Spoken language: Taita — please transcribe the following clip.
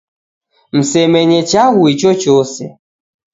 Msemenye chaghu ichochose